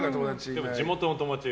地元の友達は？